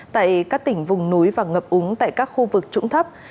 tại các tỉnh vùng núi và ngập úng tại các khu vực trũng thấp